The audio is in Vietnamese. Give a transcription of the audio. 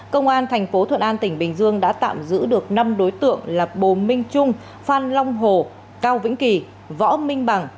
công an thành phố thuận an tỉnh bình dương đã tạm giữ được năm đối tượng là bồ minh trung phan long hồ cao vĩnh kỳ võ minh bằng